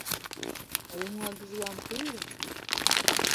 Oli muwagizi wa mupiira?